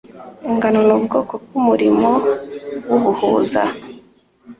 ingano n ubwoko bw umurimo w ubuhuza